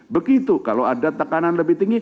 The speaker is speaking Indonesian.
begitu kalau ada tekanan lebih tinggi